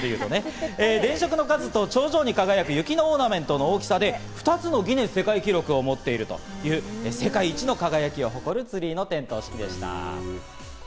電飾の数と頂上に輝く雪のオーナメントの大きさで、２つのギネス世界記録を持つ世界一の輝きを誇るツリーの点灯式でした。